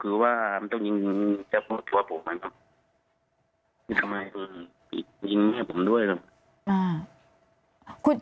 คุณประทีบขอแสดงความเสียใจด้วยนะคะ